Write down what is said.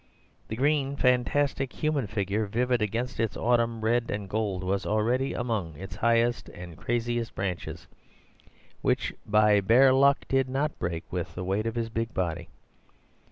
The green, fantastic human figure, vivid against its autumn red and gold, was already among its highest and craziest branches, which by bare luck did not break with the weight of his big body.